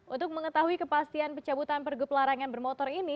untuk mengetahui kepastian pencabutan pergub larangan bermotor ini